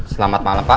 selamat malam pak